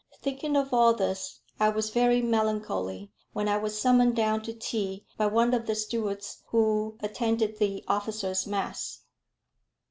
Thinking of all this, I was very melancholy when I was summoned down to tea by one of the stewards who attended the officers' mess.